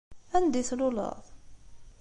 Anda i tluleḍ?